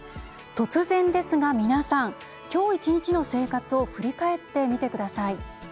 突然ですが、皆さん今日１日の生活を振り返ってみてください。